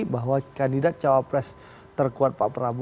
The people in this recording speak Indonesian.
bahwa kandidat cawapres terkuat pak prabowo